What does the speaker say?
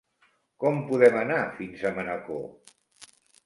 Com podem anar fins a Manacor?